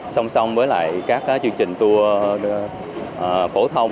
song song với lại các chương trình tour phổ thông